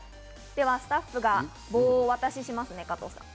スタッフが棒をお渡ししますね、加藤さん。